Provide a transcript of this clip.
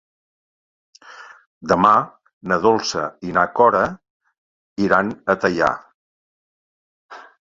Demà na Dolça i na Cora iran a Teià.